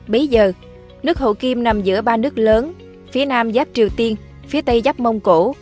bây giờ nước hậu kim nằm giữa ba nước lớn phía nam giáp triều tiên phía tây giáp mông cổ